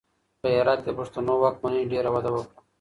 په هرات کې د پښتنو واکمنۍ ډېره وده وکړه.